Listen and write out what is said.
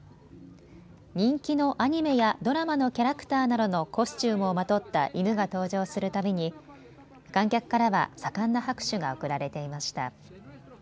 人気のアニメやドラマのキャラクターなどのコスチュームをまとった犬が登場するたびに観客からは盛んな拍手が送られていました。